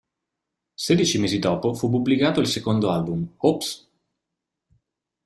Sedici mesi dopo fu pubblicato il secondo album, "Oops!...